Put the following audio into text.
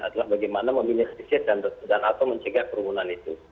adalah bagaimana memilih spesies dan atau mencegah kerumunan itu